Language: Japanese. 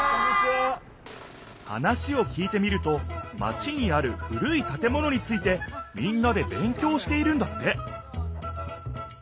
話を聞いてみるとマチにある古い建物についてみんなでべん強しているんだって